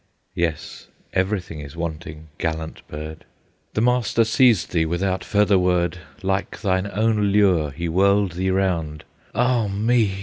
Yes, everything is wanting, gallant bird! The master seized thee without further word, Like thine own lure, he whirled thee round; ah me!